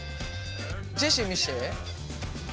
ジェシー見して。